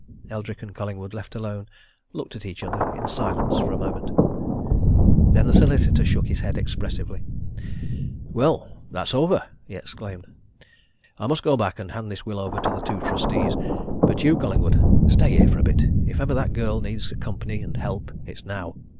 Eldrick and Collingwood, left alone, looked at each, other in silence for a moment. Then the solicitor shook his head expressively. "Well, that's over!" he exclaimed. "I must go back and hand this will over to the two trustees. But you, Collingwood stay here a bit if ever that girl needs company and help, it's now!"